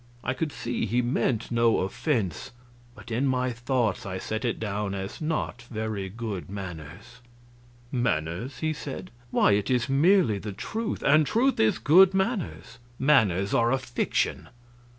I could see he meant no offense, but in my thoughts I set it down as not very good manners. "Manners!" he said. "Why, it is merely the truth, and truth is good manners; manners are a fiction.